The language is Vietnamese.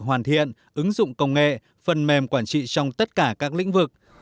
hoàn thiện ứng dụng công nghệ phần mềm quản trị trong tất cả các lĩnh vực